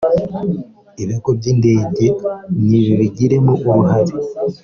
Ibigo by’indege ni bibigiremo uruhare